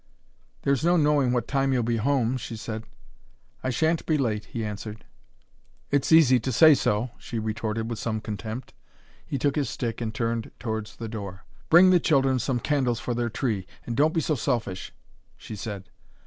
"There's no knowing what time you'll be home," she said. "I shan't be late," he answered. "It's easy to say so," she retorted, with some contempt. He took his stick, and turned towards the door. "Bring the children some candles for their tree, and don't be so selfish," she said.